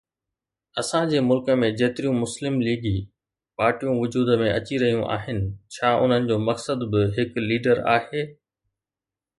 اسان جي ملڪ ۾ جيتريون مسلم ليگي پارٽيون وجود ۾ اچي رهيون آهن، ڇا انهن جو مقصد به هڪ ليڊر آهي؟